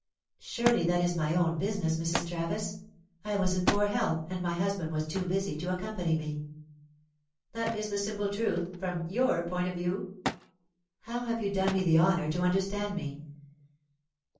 "Surely that is my own business, Mrs. Travis. I was in poor health, and my husband was too busy to accompany me." "That is the simple truth, from your point of view?" "How have you done me the honour to understand me?"